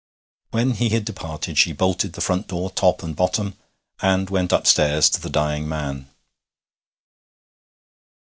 When he had departed she bolted the front door top and bottom, and went upstairs to the dying man.